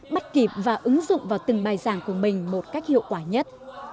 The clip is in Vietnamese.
bắt kịp và ứng dụng vào từng bài giảng của mình một cách hiệu quả nhất